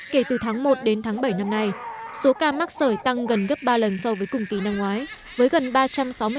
kể từ tháng một đến tháng bảy năm nay số ca mắc sởi tăng gần gấp ba lần so với cùng kỳ năm ngoái với gần ba trăm sáu mươi ca